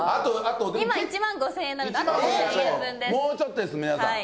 今１万５０００円なのでもうちょっとです皆さん